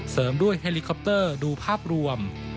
เสริมด้วยเฮลิคอปเตอร์ดูภาพรวม